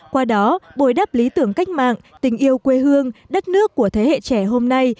qua đó bồi đắp lý tưởng cách mạng tình yêu quê hương đất nước của thế hệ trẻ hôm nay